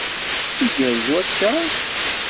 Igerrez akka?